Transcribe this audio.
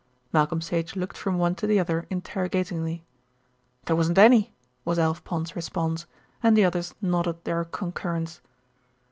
Malcolm Sage looked from one to the other interrogatingly. "There wasn't any," was Alf Pond's response, and the others nodded their concurrence.